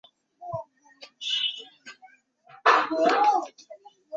প্রথম দিকে কাউন্সিলের রাজনৈতিক কার্যকলাপ ছিল সীমাবদ্ধ।